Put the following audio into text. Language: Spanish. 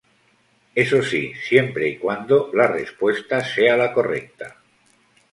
Eso sí, siempre y cuando la respuesta sea la correcta.